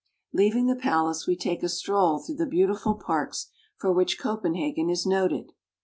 Leaving the palace, we take a stroll through the beauti ful parks for which Copenhagen is noted.